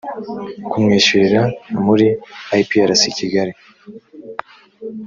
kumwishyurira muri iprc kigali